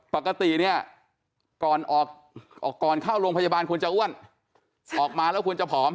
ปกติเนี่ยก่อนออกก่อนเข้าโรงพยาบาลควรจะอ้วนออกมาแล้วควรจะผอม